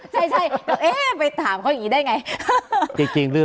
ใช่ไปถามเขาอย่างนี้ได้ไง